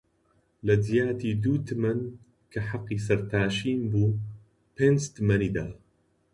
لە جیاتی دوو تمەن -کە حەقی سەرتاشین بووپنج تمەنی دا